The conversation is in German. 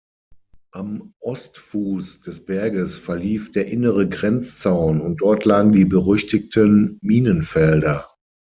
Am Ostfuß des Berges verlief der innere Grenzzaun und dort lagen die berüchtigten Minenfelder.